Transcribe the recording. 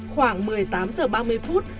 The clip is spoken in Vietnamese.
khoảng một mươi tám h ba mươi phút